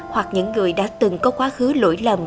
hoặc những người đã từng có quá khứ lỗi lầm